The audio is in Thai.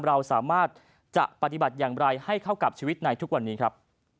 เราสามารถจะปฏิบัติอย่างไรให้เข้ากับชีวิตในทุกวันนี้ครับ